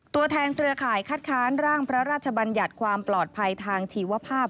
ตัวแทนเครือข่ายคัดค้านร่างพระราชบัญญัติความปลอดภัยทางชีวภาพ